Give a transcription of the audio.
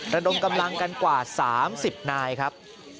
ระดมกำลังกันกว่า๓๐นายครับ